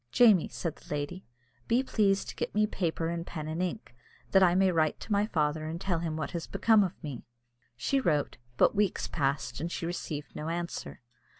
"Jamie," said the lady, "be pleased to get me paper and pen and ink, that I may write to my father, and tell him what has become of me." She wrote, but weeks passed, and she received no answer.